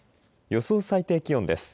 予想最低気温です。